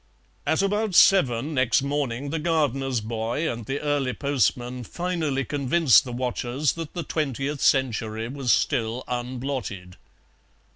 At about seven next morning the gardener's boy and the early postman finally convinced the watchers that the Twentieth Century was still unblotted.